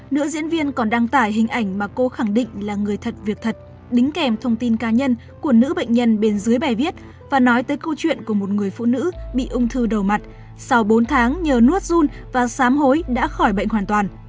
nữ diễn viên còn đăng tải hình ảnh mà cô khẳng định là người thật việc thật đính kèm thông tin cá nhân của nữ bệnh nhân bên dưới bài viết và nói tới câu chuyện của một người phụ nữ bị ung thư đầu mặt sau bốn tháng nhờ nuốt run và xám hối đã khỏi bệnh hoàn toàn